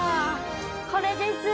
これです。